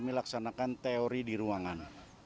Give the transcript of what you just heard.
kami laksanakan teori di ruangan